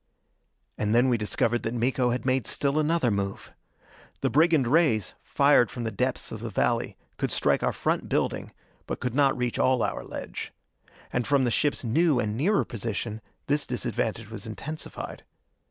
And then we discovered that Miko had made still another move. The brigand rays, fired from the depths of the valley, could strike our front building, but could not reach all our ledge. And from the ship's new and nearer position this disadvantage was intensified.